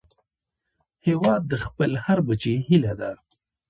هیواد د خپل هر بچي هيله ده